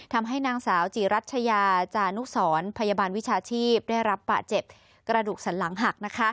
ทำให้นางสาวจีรัชยาจานุสรพยาบาลวิชาชีพได้รับบาดเจ็บกระดูกสันหลังหักนะคะ